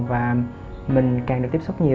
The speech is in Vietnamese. và mình càng được tiếp xúc nhiều